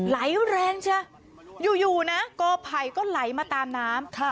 ไหลแรงเชียอยู่นะกอไผ่ก็ไหลมาตามน้ำ